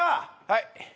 はい。